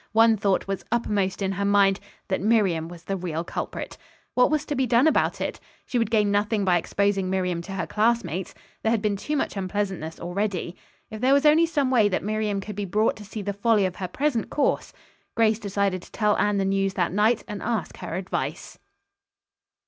One thought was uppermost in her mind, that Miriam was the real culprit. What was to be done about it? She would gain nothing by exposing Miriam to her classmates. There had been too much unpleasantness already. If there was only some way that Miriam could be brought to see the folly of her present course. Grace decided to tell Anne the news that night and ask her advice.